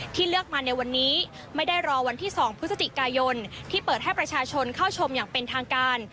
เลือกมาในวันนี้ไม่ได้รอวันที่๒พฤศจิกายนที่เปิดให้ประชาชนเข้าชมอย่างเป็นทางการ